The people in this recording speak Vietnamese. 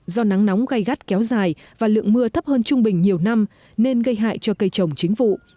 do nắng nóng gai gắt kéo dài và lượng mưa thấp hơn trung bình nhiều năm nên gây hại cho cây trồng chính vụ